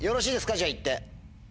じゃあ行って。